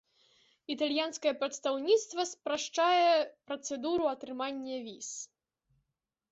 Італьянскае прадстаўніцтва спрашчае працэдуру атрымання віз.